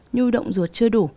nhu động ruột chưa đủ